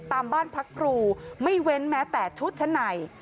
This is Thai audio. ตามบ้านพักครูไม่เว้นแม้แต่ชุดชั้นใน